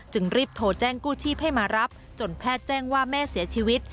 รีบโทรแจ้งกู้ชีพให้มารับจนแพทย์แจ้งว่าแม่เสียชีวิต